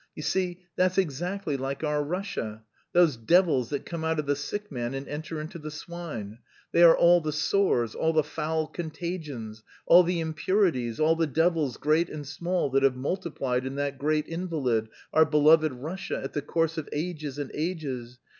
You see, that's exactly like our Russia, those devils that come out of the sick man and enter into the swine. They are all the sores, all the foul contagions, all the impurities, all the devils great and small that have multiplied in that great invalid, our beloved Russia, in the course of ages and ages.